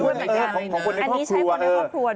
อันนี้ใช้คนในครอบครัว